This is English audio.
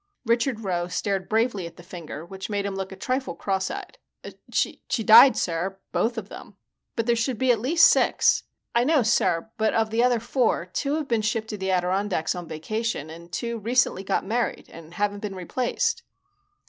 Richard Rowe stared bravely at the finger, which made him look a trifle cross eyed. "She died, sir, both of them." "But there should be at least six." "I know, sir, but of the other four, two have been shipped to the Adirondacks on vacation and two recently got married and haven't been replaced."